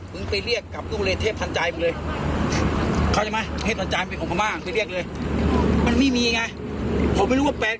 มึงไปเรียกกับตู้เลสเทพภัณฑ์ใจมึงเลย